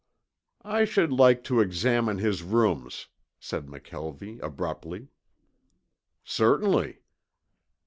"I should like to examine his rooms," said McKelvie abruptly. "Certainly."